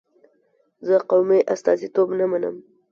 زه قومي استازیتوب نه منم.